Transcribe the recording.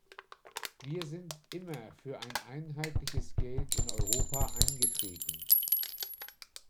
Wir sind immer für ein einheitliches Geld in Europa eingetreten.